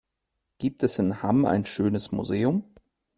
Gibt es in Hamm ein schönes Museum?